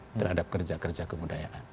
terhadap kerja kerja kebudayaan